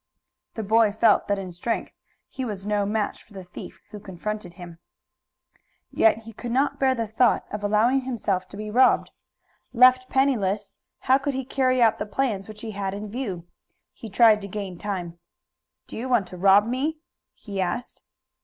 The boy felt that in strength he was no match for the thief who confronted him. Yet he could not bear the thought of allowing himself to be robbed. Left penniless, how could he carry out the plans which he had in view? He tried to gain time. "Do you want to rob me?" he asked.